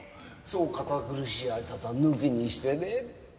そう堅苦しい挨拶は抜きにしてね。